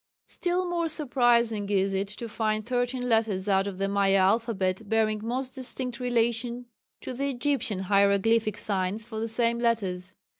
Still more surprising is it to find thirteen letters out of the Maya alphabet bearing most distinct relation to the Egyptian hieroglyphic signs for the same letters.